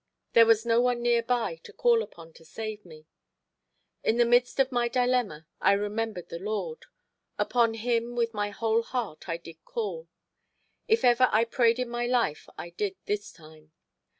There was no one near by to call upon to save me. In the midst of my dilemma I remembered the Lord; upon Him with my whole heart I did call. If ever I prayed in my life I did this time.